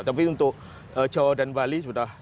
tapi untuk jawa dan bali sudah